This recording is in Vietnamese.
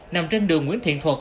nằm trên đường nguyễn thiện thuật